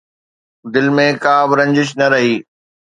دل ۾ ڪا به رنجش نه رهي